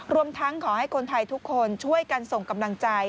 รวมทั้งขอให้คนไทยทุกคนช่วยกันส่งกำลังใจ